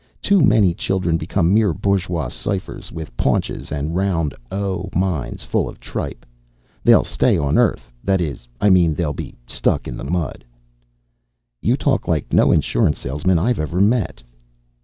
Too many children become mere bourgeois ciphers with paunches and round 'O' minds full of tripe. They'll stay on earth. That is, I mean they'll be stuck in the mud." "You talk like no insurance salesman I've ever met."